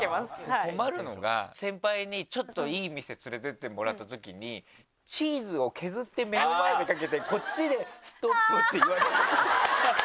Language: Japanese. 困るのが先輩にちょっといい店連れてってもらったときにチーズを削って目の前でかけてこっちで「ストップ」って言わなきゃ。